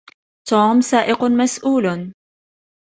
توم سائق مسؤول.